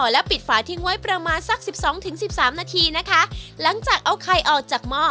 และปิดฝาทิ้งไว้ประมาณสักสิบสองถึงสิบสามนาทีนะคะหลังจากเอาไข่ออกจากหม้อ